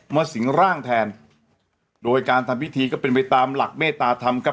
สิงร่างแทนโดยการทำพิธีก็เป็นไปตามหลักเมตตาธรรมครับ